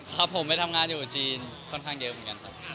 ครับผมไปทำงานอยู่จีนค่อนข้างเยอะเหมือนกันครับ